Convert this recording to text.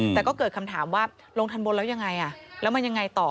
แต่ก็เกิดคำถามว่าลงทันบนแล้วยังไงแล้วมันยังไงต่อ